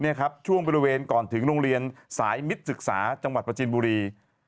ช่วงบริเวณก่อนถึงโรงเรียนสายมิตรศึกษาจังหวัดประจินบุรี